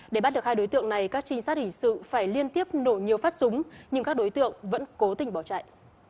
để bắt được hai đối tượng này các trinh sát hình sự phải liên tiếp nổ nhiều phát súng nhưng các đối tượng vẫn cố tình bỏ chạy